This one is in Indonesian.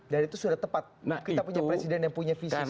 dan itu sudah tepat kita punya presiden yang punya visi seperti itu